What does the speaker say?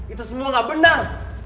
itu semua enggak benar